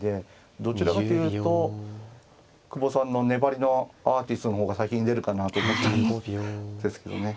どちらかというと久保さんの粘りのアーティストの方が先に出るかなと思ったんですけどね。